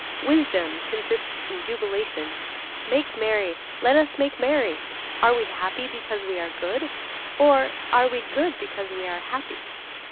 Wisdom consists in jubilation. Make merry, let us make merry. Are we happy because we are good, or are we good because we are happy?